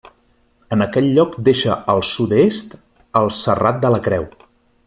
En aquell lloc deixa al sud-est el Serrat de la Creu.